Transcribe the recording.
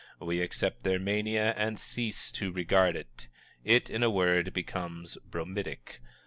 We accept their mania and cease to regard it; it, in a word, becomes bromidic.